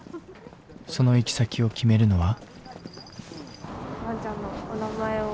その行き先を決めるのは？